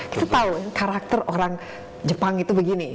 kita tahu karakter orang jepang itu begini